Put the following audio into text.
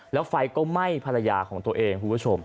แล้วไฟก็ไหม้ภรรยาของตัวเอง